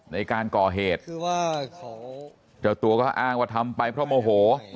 ในการก่อเหตุเจ้าตัวก็อ้างว่าทำไปเพราะโมโห